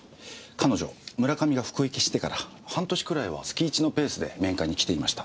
彼女村上が服役してから半年くらいは月一のペースで面会に来ていました。